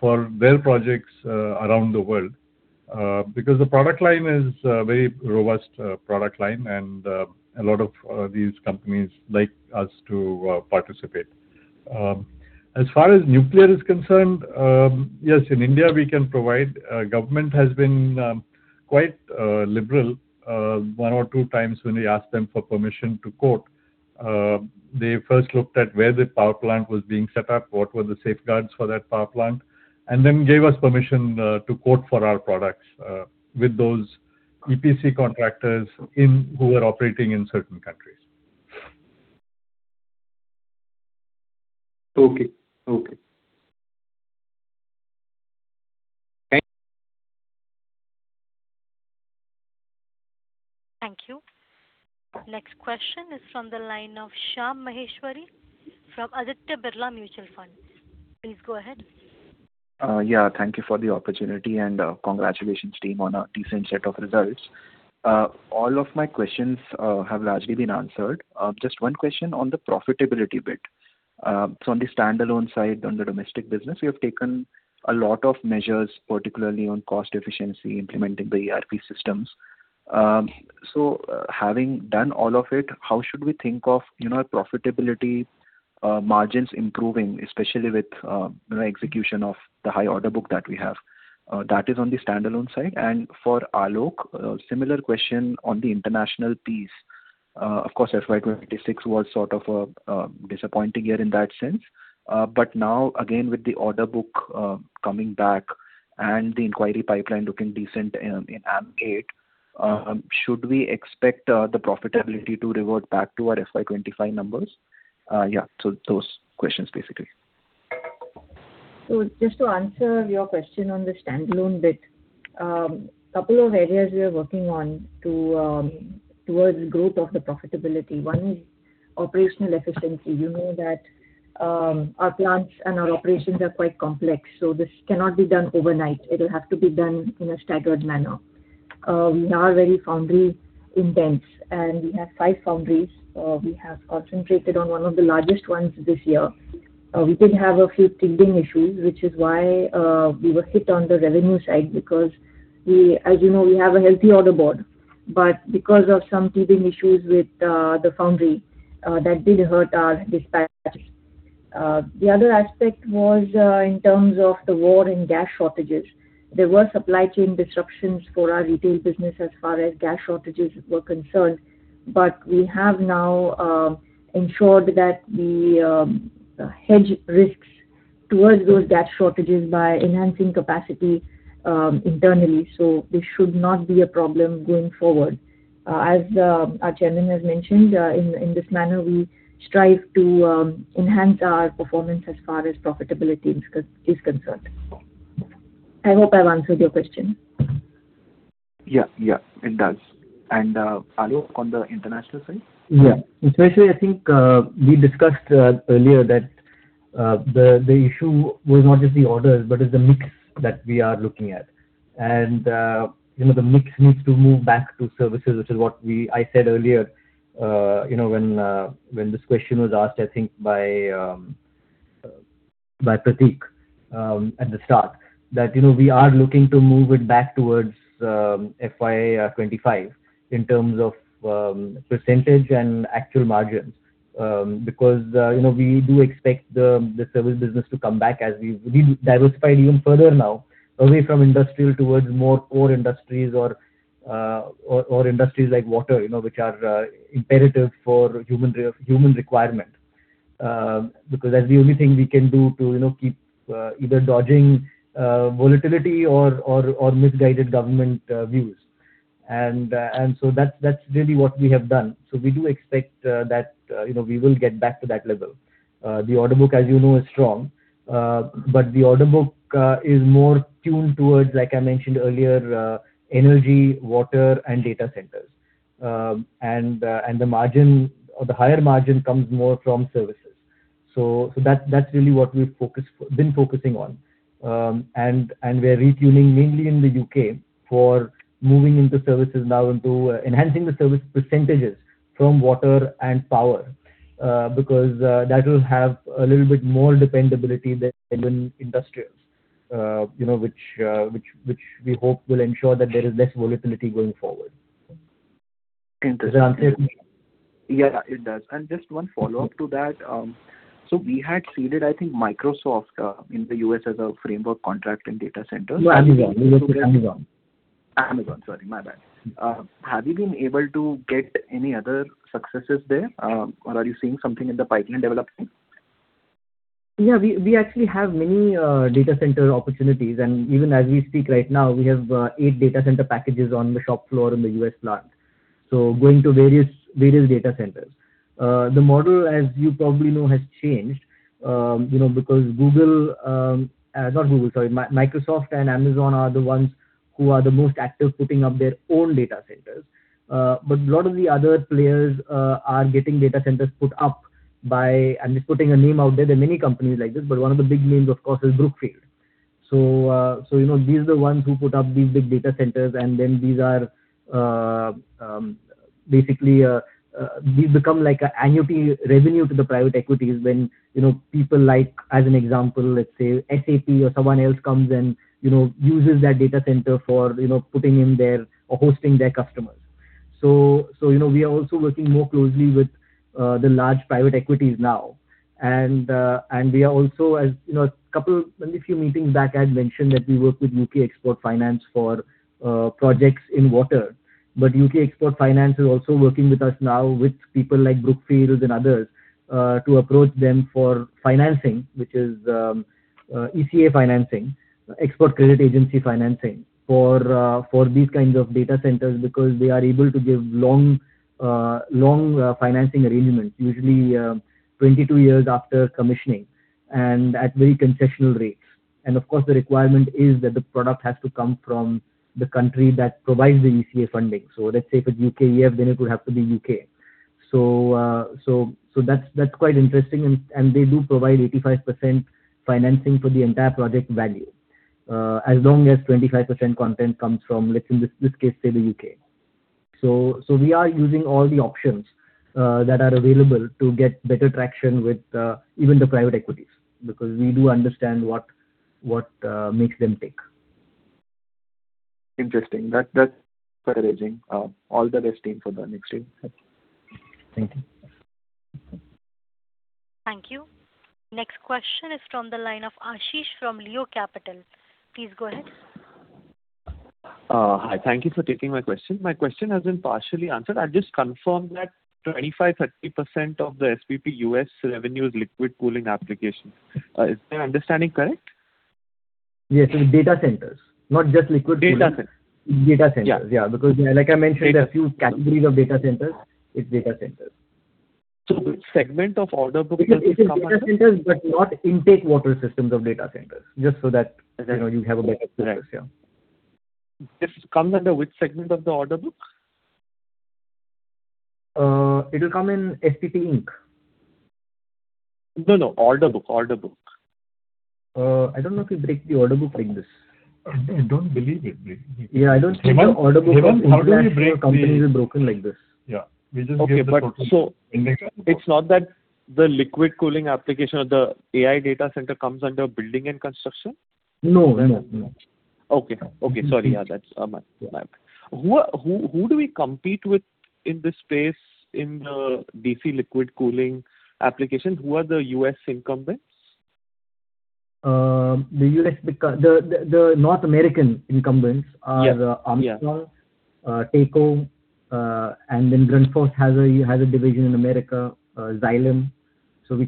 for their projects around the world. Because the product line is a very robust product line and a lot of these companies like us to participate. As far as nuclear is concerned, yes, in India, we can provide. Government has been quite liberal 1x or 2x when we asked them for permission to quote. They first looked at where the power plant was being set up, what were the safeguards for that power plant, and then gave us permission to quote for our products with those EPC contractors who were operating in certain countries. Okay. Okay. Thank- Thank you. Next question is from the line of Shyam Maheshwari from Aditya Birla Sun Life Mutual Fund. Please go ahead. Thank you for the opportunity and congratulations team on a decent set of results. All of my questions have largely been answered. Just one question on the profitability bit. On the standalone side, on the domestic business, you have taken a lot of measures, particularly on cost efficiency, implementing the ERP systems. Having done all of it, how should we think of, you know, profitability margins improving, especially with, you know, execution of the high order book that we have. That is on the standalone side. For Alok, similar question on the international piece. Of course, FY 2026 was sort of a disappointing year in that sense. Now again, with the order book coming back and the inquiry pipeline looking decent in AMP8, should we expect the profitability to revert back to our FY 2025 numbers? Those questions basically. Just to answer your question on the standalone bit. Couple of areas we are working on to, towards growth of the profitability. One is operational efficiency. You know that our plants and our operations are quite complex, so this cannot be done overnight. It'll have to be done in a staggered manner. We are very foundry intense, and we have five foundries. We have concentrated on one of the largest ones this year. We did have a few teething issues, which is why we were hit on the revenue side because we, as you know, we have a healthy order board, but because of some teething issues with the foundry, that did hurt our dispatch. The other aspect was in terms of the war and gas shortages. There were supply chain disruptions for our retail business as far as gas shortages were concerned. We have now ensured that we hedge risks towards those gas shortages by enhancing capacity internally. This should not be a problem going forward. As our Chairman has mentioned, in this manner, we strive to enhance our performance as far as profitability is concerned. I hope I've answered your question. Yeah. Yeah, it does. Alok, on the international side? Yeah. Especially I think, we discussed earlier that the issue was not just the orders but is the mix that we are looking at. You know, the mix needs to move back to services, which is what I said earlier, you know, when this question was asked, I think by Pratik, at the start, that, you know, we are looking to move it back towards FY 2025 in terms of percentage and actual margins. Because, you know, we do expect the service business to come back as We've diversified even further now away from industrial towards more core industries or industries like water, you know, which are imperative for human requirement. That's the only thing we can do to, you know, keep either dodging volatility or misguided government views. That's really what we have done. We do expect that, you know, we will get back to that level. The order book, as you know, is strong. The order book is more tuned towards, like I mentioned earlier, energy, water and data centers. The margin or the higher margin comes more from services. That's really what we've been focusing on. We are retuning mainly in the U.K. for moving into services now into enhancing the service percentages from water and power, because that will have a little bit more dependability than in industrials, you know, which we hope will ensure that there is less volatility going forward. Interesting. Does that answer? Yeah, it does. Just 1 follow-up to that. We had seeded, I think, Microsoft in the U.S. as a framework contract in data centers. Amazon. We worked with Amazon. Amazon. Sorry, my bad. Have you been able to get any other successes there? Or are you seeing something in the pipeline developing? Yeah. We actually have many data center opportunities. Even as we speak right now, we have eight data center packages on the shop floor in the U.S. plant, so going to various data centers. The model, as you probably know, has changed, you know, because Google, not Google, sorry, Microsoft and Amazon are the ones who are the most active putting up their own data centers. A lot of the other players are getting data centers put up by, I'm just putting a name out there. There are many companies like this, one of the big names, of course, is Brookfield. So you know, these are the ones who put up these big data centers, and then these are, basically, these become like a annuity revenue to the private equities when, you know, people like, as an example, let's say SAP or someone else comes and, you know, uses that data center for, you know, putting in their or hosting their customers. So, you know, we are also working more closely with, the large private equities now. And we are also, as you know, a few meetings back, I had mentioned that we work with UK Export Finance for, projects in water. UK Export Finance is also working with us now with people like Brookfield and others, to approach them for financing, which is ECA financing, Export Credit Agency financing for these kinds of data centers because they are able to give long, long financing arrangements, usually 22 years after commissioning and at very concessional rates. Of course, the requirement is that the product has to come from the country that provides the ECA funding. Let's say for UKEF, then it will have to be U.K. That's quite interesting. They do provide 85% financing for the entire project value as long as 25% content comes from, let's say, in this case, say the U.K. We are using all the options that are available to get better traction with even the private equities because we do understand what makes them tick. Interesting. That's encouraging. All the best team for the next year. Thank you. Thank you. Next question is from the line of Ashish from Leo Capital. Please go ahead. Hi. Thank you for taking my question. My question has been partially answered. I'll just confirm that 25%-30% of the SPP US revenue is liquid cooling application. Is my understanding correct? Yes, in data centers, not just liquid cooling. Data centers. Data centers. Yeah. Yeah, because, like I mentioned, a few categories of data centers, it's data centers. Segment of order book. It is in data centers, but not intake water systems of data centers. Just so that, you know, you have a better grasp, yeah. This comes under which segment of the order book? It'll come in SPP Inc. No, no. Order book, order book. I don't know if we break the order book like this. I don't believe it. Yeah, I don't think the order book of company is broken like this. Yeah. We just give the total. Okay, it's not that the liquid cooling application of the AI data center comes under building and construction? No, no. Okay. Okay. Sorry. Yeah, that's my bad. Who do we compete with in this space in the D.C. liquid cooling application? Who are the U.S. incumbents? The North American incumbents are the. Yeah. Armstrong, Taco, and then Grundfos has a division in America, Xylem. We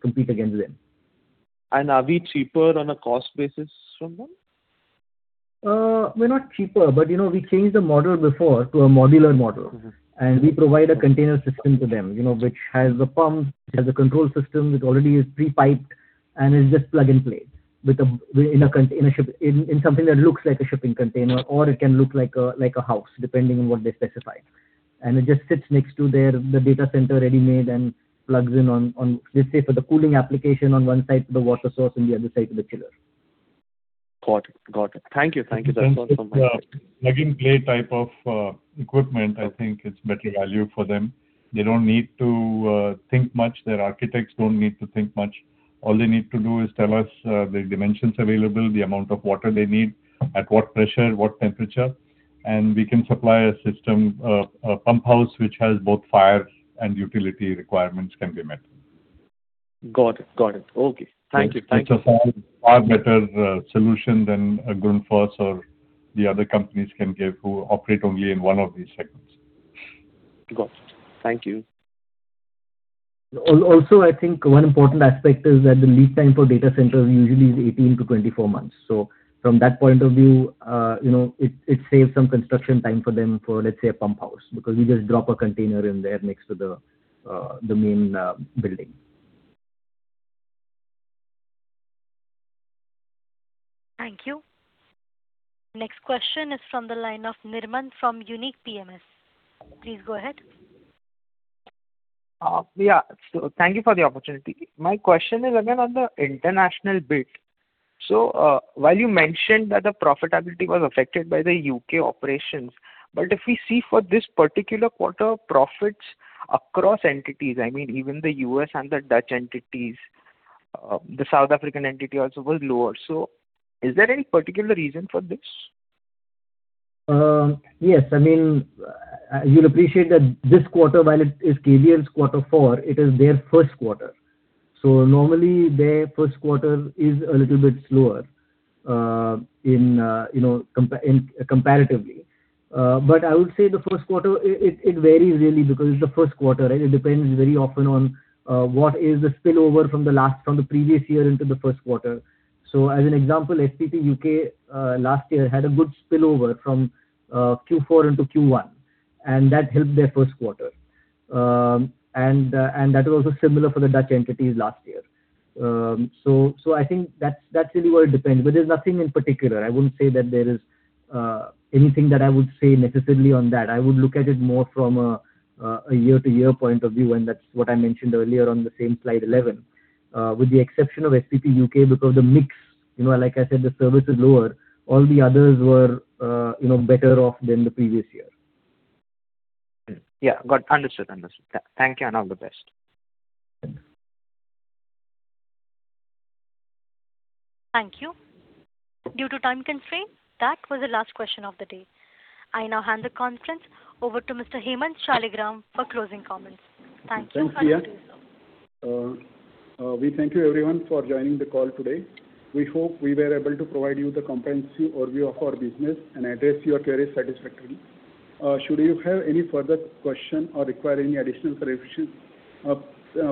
compete against them. Are we cheaper on a cost basis from them? We're not cheaper, but, you know, we changed the model before to a modular model. We provide a container system to them, you know, which has a pump, it has a control system, it already is pre-piped, it's just plug and play with something that looks like a shipping container or it can look like a house, depending on what they specify. It just sits next to the data center ready-made and plugs in on, let's say for the cooling application on one side to the water source and the other side to the chiller. Got it. Thank you. That's all from my side. Since it's a plug and play type of equipment, I think it's better value for them. They don't need to think much. Their architects don't need to think much. All they need to do is tell us the dimensions available, the amount of water they need, at what pressure, what temperature, and we can supply a system, a pump house which has both fire and utility requirements can be met. Got it. Okay. Thank you. It's a far, far better solution than a Grundfos or the other companies can give who operate only in one of these segments. Got it. Thank you. Also, I think one important aspect is that the lead time for data centers usually is 18-24 months. From that point of view, you know, it saves some construction time for them for, let's say, a pump house, because we just drop a container in there next to the main building. Thank you. Next question is from the line of Nirmam from Unique PMS. Please go ahead. Yeah. Thank you for the opportunity. My question is again on the international bit. While you mentioned that the profitability was affected by the U.K. operations, if we see for this particular quarter profits across entities, I mean, even the U.S. and the Dutch entities, the South African entity also was lower. Is there any particular reason for this? Yes. I mean, you'll appreciate that this quarter, while it is KBL's quarter four, it is their first quarter. Normally their first quarter is a little bit slower, in, you know, comparatively. I would say the first quarter, it varies really because it's the first quarter and it depends very often on, what is the spillover from the last, from the previous year into the first quarter. As an example, SPP Pumps, last year had a good spillover from, Q4 into Q1, and that helped their first quarter. That was also similar for the Dutch entities last year. I think that's really where it depends. There's nothing in particular. I wouldn't say that there is, anything that I would say necessarily on that. I would look at it more from a year-to-year point of view. That's what I mentioned earlier on the same slide 11. With the exception of SPP Pumps, because the mix, you know, like I said, the service is lower, all the others were, you know, better off than the previous year. Yeah. Got it. Understood. Understood. Thank you, and all the best. Thank you. Thank you. Due to time constraint, that was the last question of the day. I now hand the conference over to Mr. Hemant Shaligram for closing comments. Thank you. Thanks, Pia. We thank you everyone for joining the call today. We hope we were able to provide you the comprehensive overview of our business and address your queries satisfactorily. Should you have any further question or require any additional clarification,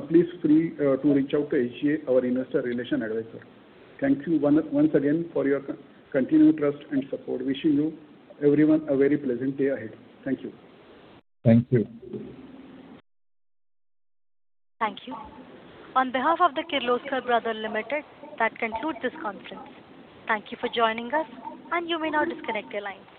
please feel to reach out to SGA, our investor relation advisor. Thank you once again for your continued trust and support. Wishing you everyone a very pleasant day ahead. Thank you. Thank you. Thank you. On behalf of Kirloskar Brothers Limited, that concludes this conference. Thank you for joining us, and you may now disconnect your lines.